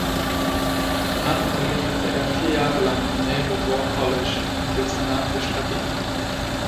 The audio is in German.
Danach unterrichtete er vier Jahre lang am Naval War College im Dezernat für Strategie.